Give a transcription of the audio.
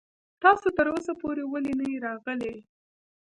تاسو تر اوسه پورې ولې نه يې راغلی.